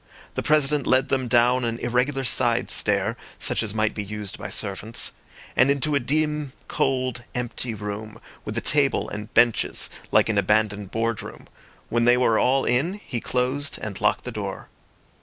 The President led them down an irregular side stair, such as might be used by servants, and into a dim, cold, empty room, with a table and benches, like an abandoned boardroom. When they were all in, he closed and locked the door.